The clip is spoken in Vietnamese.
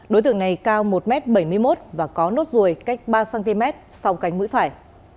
đối tượng này cao một m bảy mươi một và có nốt ruồi cách ba cm sau cánh mũi phải